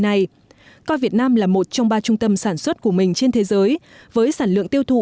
này coi việt nam là một trong ba trung tâm sản xuất của mình trên thế giới với sản lượng tiêu thụ